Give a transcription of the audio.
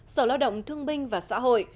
sở lao động thương binh và xã hội